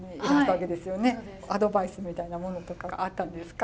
アドバイスみたいなものとかあったんですか？